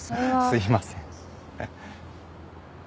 すいません。